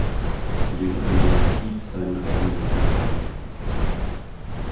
Zudem kündigt Keep seinen eigenen Besuch an.